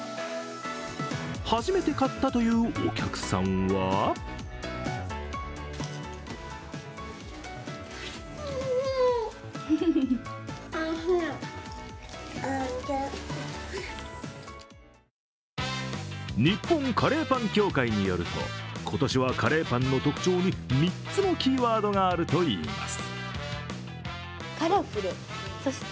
初めて買ったというお客さんは日本カレーパン協会によると、今年はカレーパンの特徴に３つのキーワードがあるといいます。